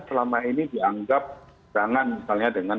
selama ini dianggap jangan misalnya dengan